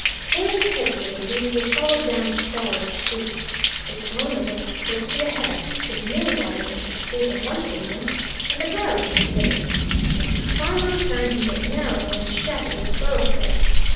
Cave's headgear was easily followed down the squalid street. Its owner went swiftly ahead, with Millwaters in pursuit on one pavement, and the barrister on the other, until he finally turned into a narrower and shabbier thoroughfare.